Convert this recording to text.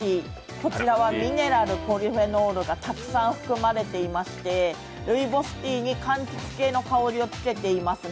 こちらはミネラル、ポリフェノールがたくさん含まれていましてルイボスティーにかんきつ系の香りをつけていますね。